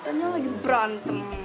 katanya lagi berantem